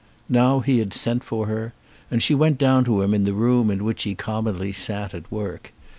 Now he had sent for her, and she went down to him in the room in which he commonly sat at work.